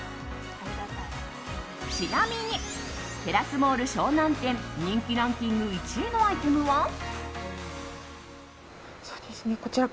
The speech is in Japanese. ちなみに、テラスモール湘南店人気ランキング１位のアイテムは。